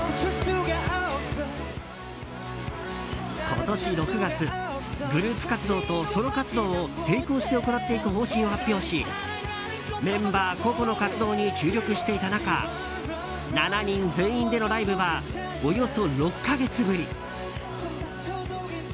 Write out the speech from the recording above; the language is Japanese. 今年６月グループ活動とソロ活動を並行して行っていく方針を発表しメンバー個々の活動に注力していた中７人全員でのライブはおよそ６か月ぶり。